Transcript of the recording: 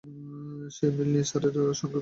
সেই মিল নিয়ে স্যারের সঙ্গে আমি কথা বলব।